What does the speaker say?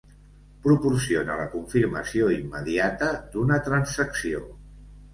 Proporciona la confirmació immediata d'una transacció.